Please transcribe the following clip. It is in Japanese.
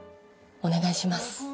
お願いします」